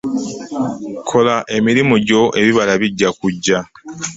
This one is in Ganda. Kola mirimu gyo ebibala bijja kujja.